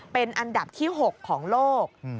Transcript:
เป็นอันดับที่๖ของโลก